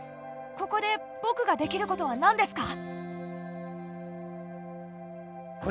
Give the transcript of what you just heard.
ここで僕ができることは何ですか？